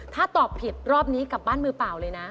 ถ้าตอบผิดรอบนี้กลับบ้านมือเปล่าเลยนะ